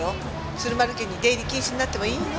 鶴丸家に出入り禁止になってもいいの？